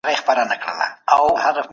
داسې ښکاري چی د اقتصاد وده په سمه روانه ده.